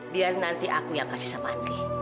biar nanti aku yang kasih sama andi